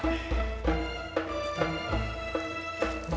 pertama kali aku mengobrol ke ada